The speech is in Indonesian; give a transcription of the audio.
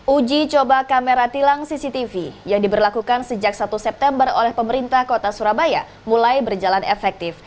uji coba kamera tilang cctv yang diberlakukan sejak satu september oleh pemerintah kota surabaya mulai berjalan efektif